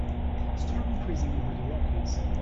Storm increasing over the Rockies.